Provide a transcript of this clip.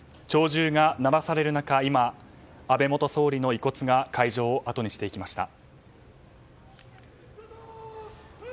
弔銃が鳴らされる中安倍元総理の遺骨が会場をあとにしていきました。